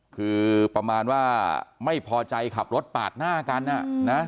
คือประมาณว่าไม่พอใจขับรถปาดหน้ากัน